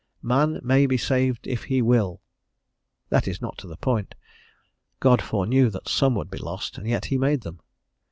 "Man may be saved if he will." That is not to the point; God foreknew that some would be lost, and yet he made them.